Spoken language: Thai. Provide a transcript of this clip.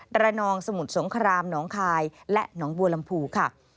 ระนองสมุทรสงครามหนองคายและหนองบัวลำพูค่ะ